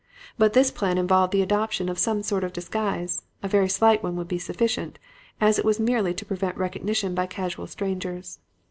But this plan involved the adoption of some sort of disguise; a very slight one would be sufficient, as it was merely to prevent recognition by casual strangers.